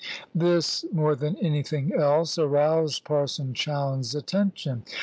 This more than anything else aroused Parson Chowne's attention.